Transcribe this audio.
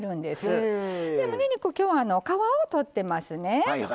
むね肉今日は皮を取ってますね。